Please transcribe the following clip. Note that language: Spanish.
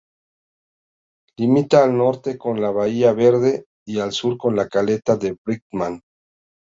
Limita al norte con la bahía Verde y al sur con la caleta Brightman.